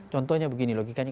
contohnya begini logikanya